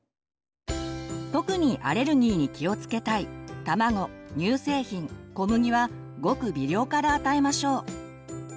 特にアレルギーに気をつけたい卵乳製品小麦はごく微量から与えましょう。